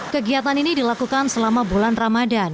kegiatan ini dilakukan selama bulan ramadan